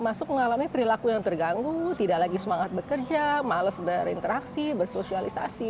masuk mengalami perilaku yang terganggu tidak lagi semangat bekerja males berinteraksi bersosialisasi